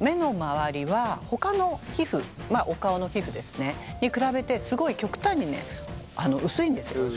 目の周りはほかの皮膚お顔の皮膚ですねに比べてすごい極端にね薄いんですよ。